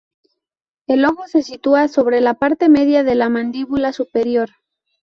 El ojo se sitúa sobre la parte media de la mandíbula superior.